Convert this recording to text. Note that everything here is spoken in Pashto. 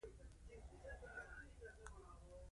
ځان سانسور د یوې ځانګړې دستګاه پر مټ ترسره کېږي.